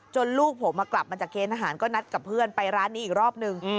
ลูกผมกลับมาจากเกณฑ์ทหารก็นัดกับเพื่อนไปร้านนี้อีกรอบนึง